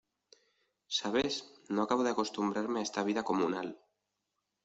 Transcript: ¿ sabes? no acabo de acostumbrarme a esta vida comunal.